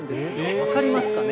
分かりますかね？